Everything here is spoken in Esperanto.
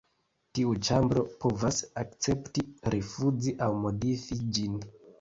Tiu ĉambro povas akcepti, rifuzi aŭ modifi ĝin.